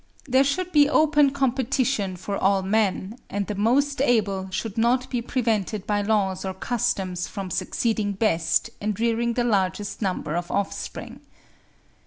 There should be open competition for all men; and the most able should not be prevented by laws or customs from succeeding best and rearing the largest number of offspring.